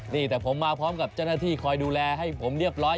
นี่แต่ผมมาพร้อมกับเจ้าหน้าที่คอยดูแลให้ผมเรียบร้อย